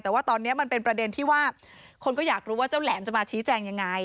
แต่ว่าตอนนี้มันเป็นประเด็นที่ว่าคนก็อยากรู้ว่าเจ้าแหลมจะมาชี้แจงยังไง